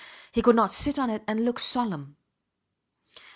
He could not sit on it and look solemn.